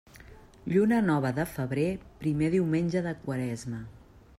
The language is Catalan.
Lluna nova de febrer, primer diumenge de quaresma.